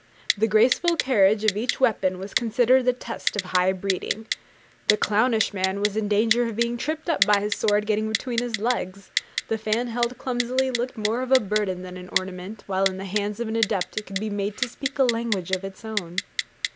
The graceful carriage of each weapon was considered a test of high breeding. The clownish man was in danger of being tripped up by his sword getting between his legs: the fan held clumsily looked more of a burden than an ornament; while in the hands of an adept it could be made to speak a language of its own.